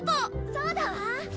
そうだわ！